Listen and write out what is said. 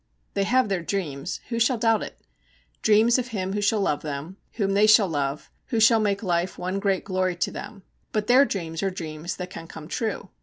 They have their dreams who shall doubt it? dreams of him who shall love them, whom they shall love, who shall make life one great glory to them; but their dreams are dreams that can come true.